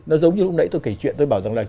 nó giống như lúc nãy tôi kể chuyện tôi bảo rằng là